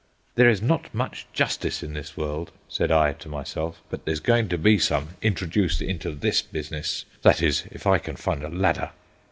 "There is not much justice in this world," said I to myself; "but there's going to be some introduced into this business—that is, if I can find a ladder."